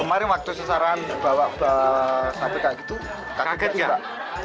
kemarin waktu seserahan bawa sampai kak gitu kaget gak